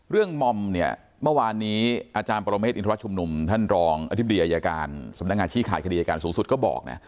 มอมเนี่ยเมื่อวานนี้อาจารย์ปรเมฆอินทรชุมนุมท่านรองอธิบดีอายการสำนักงานชี้ขาดคดีอายการสูงสุดก็บอกนะ